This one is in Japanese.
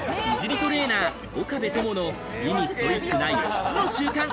トレーナー岡部友の美にストイックな４つの習慣。